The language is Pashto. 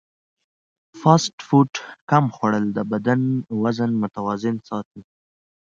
فاسټ فوډ کم خوړل د بدن وزن متوازن ساتي.